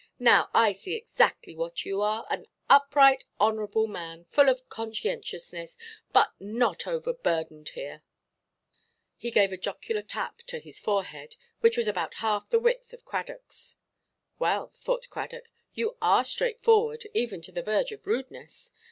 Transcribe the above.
Now I see exactly what you are, an upright honourable man, full of conscientiousness, but not overburdened here." He gave a jocular tap to his forehead, which was about half the width of Cradockʼs. "Well," thought Cradock, "you are straightforward, even to the verge of rudeness.